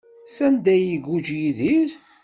Sanda ay iguǧǧ Yidir?